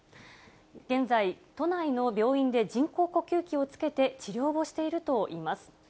現在、都内の病院で人工呼吸器をつけて治療をしているといいます。